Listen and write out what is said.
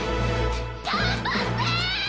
頑張って！！